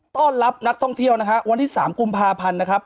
ต้อนรับนักท่องเที่ยวนะฮะวันที่๓กุมภาพันธ์นะครับ